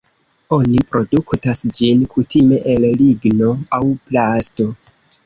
Oni produktas ĝin kutime el ligno aŭ plasto.